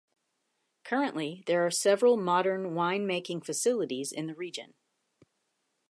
Currently, there are several modern wine-making facilities in the region.